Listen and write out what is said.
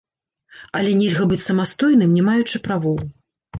Але нельга быць самастойным, не маючы правоў.